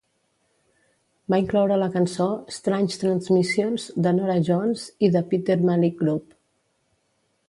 Va incloure la cançó "Strange Transmissions" de Norah Jones i The Peter Malick Group.